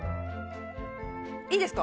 いいですか？